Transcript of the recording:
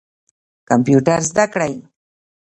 کمپیوټر زده کړئ